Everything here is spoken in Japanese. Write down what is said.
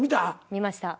見ました。